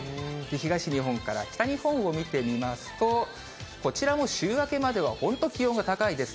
東日本から北日本を見てみますと、こちらも週明けまでは本当、気温が高いです。